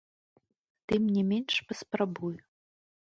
Тым не менш, паспрабую.